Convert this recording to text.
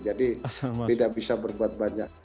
jadi tidak bisa berbuat banyak